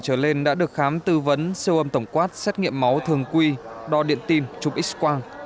chương trình đã được khám tư vấn siêu âm tổng quát xét nghiệm máu thường quy đo điện tin chụp x quang